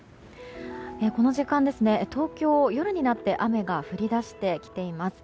この時間、東京夜になって雨が降り出してきています。